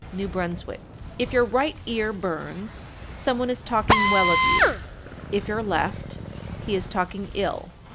New Brunswick. 1341. If your right ear burns, some one is talking well of you; if your left, he is talking ill.